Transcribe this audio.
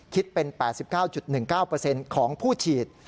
คิดเป็น๘๙๑๙ของผู้ฉีด